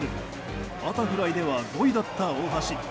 バタフライでは５位だった大橋。